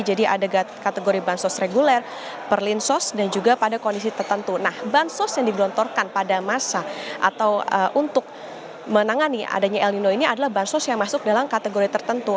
jadi ada kategori bahan sos reguler perlinsos dan juga pada kondisi tertentu nah bahan sos yang digelontorkan pada masa atau untuk menangani adanya elindo ini adalah bahan sos yang masuk dalam kategori tertentu